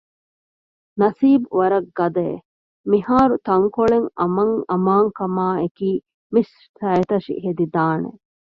ނަސީބު ވަރަށް ގަދައެވެ! މިހާރުތަންކޮޅެއް އަމަންއަމާންކަމާއެކީ މި ސައިތަށި ހެދިދާނެ